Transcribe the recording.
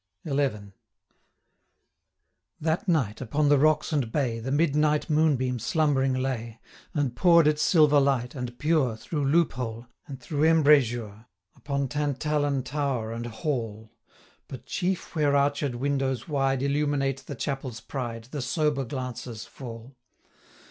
310 XI. That night, upon the rocks and bay, The midnight moon beam slumbering lay, And pour'd its silver light, and pure, Through loop hole, and through embrazure, Upon Tantallon tower and hall; 315 But chief where arched windows wide Illuminate the chapel's pride, The sober glances fall.